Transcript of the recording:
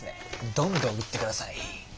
どんどん売って下さい。